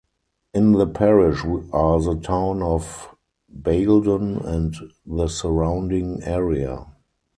In the parish are the town of Baildon and the surrounding area.